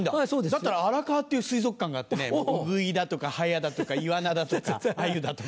だったら荒川っていう水族館があってねウグイだとかハヤだとかイワナだとかアユだとか。